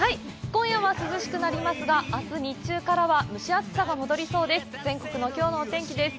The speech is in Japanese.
今夜は涼しくなりますが、あす日中からは蒸し暑さが戻りそうです。